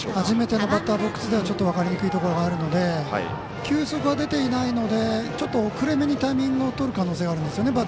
初めてのバッターボックスでは分かりにくいところもあるので球速は出ていないのでちょっと遅れめにタイミングをとる可能性があるんですよね